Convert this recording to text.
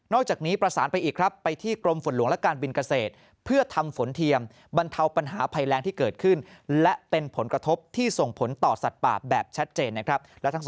จากนี้ประสานไปอีกครับไปที่กรมฝนหลวงและการบินเกษตรเพื่อทำฝนเทียมบรรเทาปัญหาภัยแรงที่เกิดขึ้นและเป็นผลกระทบที่ส่งผลต่อสัตว์ป่าแบบชัดเจนนะครับ